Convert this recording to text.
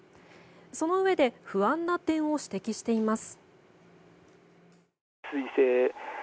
そのうえで不安な点を指摘しています。